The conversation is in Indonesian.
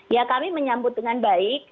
ya kami menyambut dengan baik